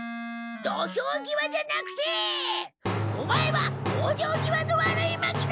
土俵際じゃなくてオマエは往生際の悪い牧之介だ！